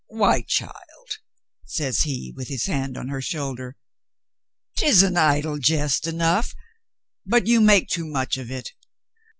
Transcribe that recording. "Why, child," says he, with his hand on her shoulder, " 'tis an idle jest enough, but you make too much of it.